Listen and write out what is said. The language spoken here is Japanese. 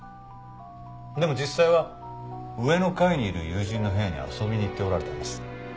でも実際は上の階にいる友人の部屋に遊びに行っておられたんです。